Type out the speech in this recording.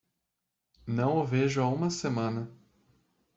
Não o vejo há uma semana.